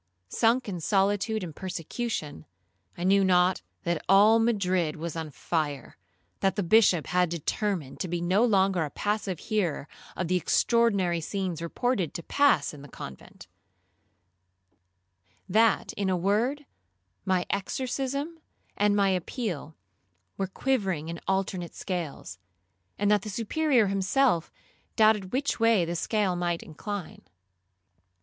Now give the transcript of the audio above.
Sunk in solitude and persecution, I knew not that all Madrid was on fire,—that the Bishop had determined to be no longer a passive hearer of the extraordinary scenes reported to pass in the convent,—that, in a word, my exorcism and my appeal were quivering in alternate scales, and that the Superior himself doubted which way the scale might incline.